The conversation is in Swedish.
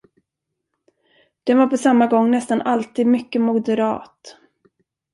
Den var på samma gång nästan alltid mycket moderat.